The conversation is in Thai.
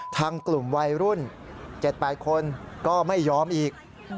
ทางกลุ่มวัยรุ่น๗๘คนก็ไม่ยอมอีก